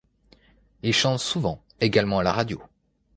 Il chante souvent également à la radio.